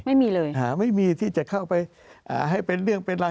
ไม่มีเลยไม่มีที่จะเข้าไปอ่าให้เป็นเรื่องเป็นรา